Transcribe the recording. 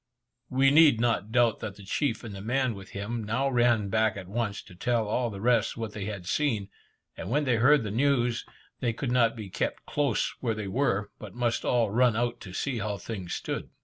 We need not doubt that the chief and the man with him now ran back at once, to tell all the rest what they had seen; and when they heard the news, they could not be kept close where they were, but must all run out to see how things stood.